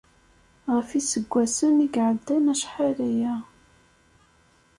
Ɣef iseggasen i iɛeddan acḥal aya.